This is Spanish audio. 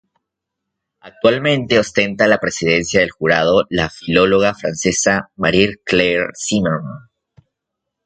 Actualmente ostenta la presidencia del jurado la filóloga francesa Marie Claire Zimmermann.